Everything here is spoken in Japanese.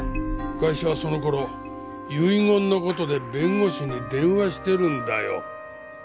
ガイシャはその頃遺言の事で弁護士に電話してるんだよ。